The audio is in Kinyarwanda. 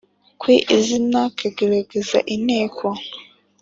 Kwi zina kagaragaza inteko